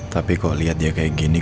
tapi kalau liat dia kayak gini